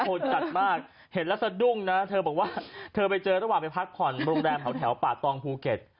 จัดมากเห็นแล้วสะดุ้งนะเธอบอกว่าเธอไปเจอระหว่างไปพักผ่อนโรงแรมแถวป่าตองภูเก็ต